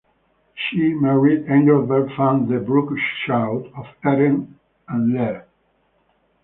She married Engelbert van de Broeck schout of Etten and Leur.